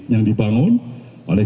yang dibangun oleh